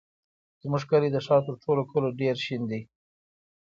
زموږ کلی د ښار تر ټولو کلیو ډېر شین دی.